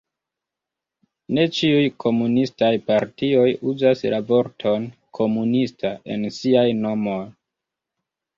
Ne ĉiuj komunistaj partioj uzas la vorton "komunista" en siaj nomoj.